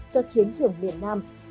cho chiến trưởng miền nam